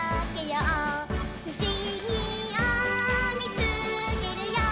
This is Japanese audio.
「ふしぎをみつけるよ」